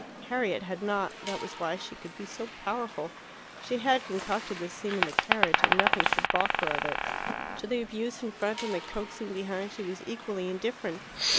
Harriet had not; that was why she could be so powerful. She had concocted this scene in the carriage, and nothing should baulk her of it. To the abuse in front and the coaxing behind she was equally indifferent.